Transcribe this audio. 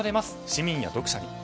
市民や読者に。